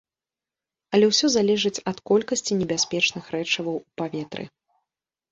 Але ўсё залежыць ад колькасці небяспечных рэчываў у паветры.